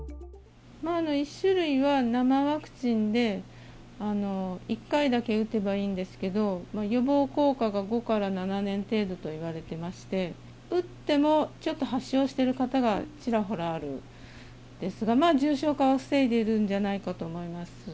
１種類は生ワクチンで１回だけ打てばいいんですけど、予防効果が５７年程度と言われていまして、打っても、ちょっと発症してる方がちらほらあるんですが重症化を防いでいるんじゃないかと思います。